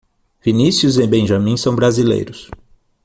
Vinícius e Benjamim são Brasileiros.